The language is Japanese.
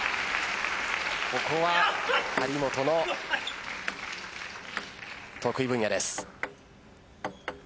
ここは張本の得意分野です。